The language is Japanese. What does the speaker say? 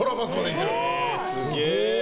すげえ！